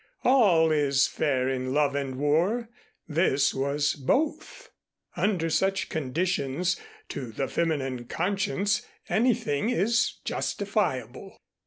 All is fair in love and war. This was both. Under such conditions, to the feminine conscience anything is justifiable.